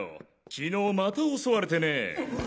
昨日また襲われてねぇ。